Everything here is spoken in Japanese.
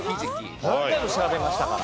何回も調べましたから。